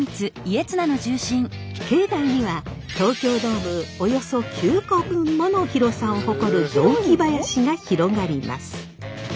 境内には東京ドームおよそ９個分もの広さを誇る雑木林が広がります。